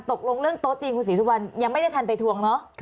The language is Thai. ตกลงเรื่องโต๊ะจีนคุณศรีสุวรรณยังไม่ได้ทันไปทวงเนาะ